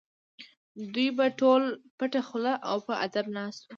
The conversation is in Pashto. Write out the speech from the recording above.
دوی به ټول پټه خوله او په ادب ناست وو.